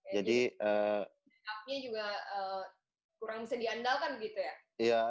jadi setafnya juga kurang bisa diandalkan gitu ya